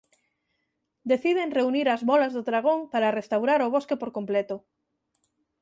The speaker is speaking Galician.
Deciden reunir as Bólas do Dragón para restaurar o bosque por completo.